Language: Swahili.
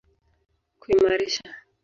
kuimarisha